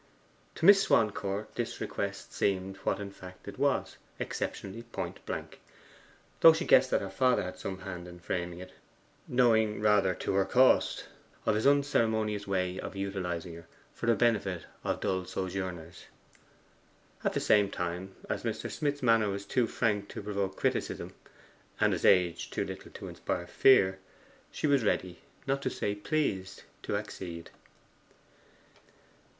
To Miss Swancourt this request seemed, what in fact it was, exceptionally point blank; though she guessed that her father had some hand in framing it, knowing, rather to her cost, of his unceremonious way of utilizing her for the benefit of dull sojourners. At the same time, as Mr. Smith's manner was too frank to provoke criticism, and his age too little to inspire fear, she was ready not to say pleased to accede.